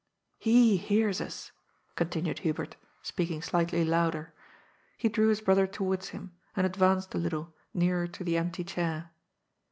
^He hears us," continued Hubert, speaking slightly louder. He drew his brother towards him, and advanced a little nearer to the empty chair.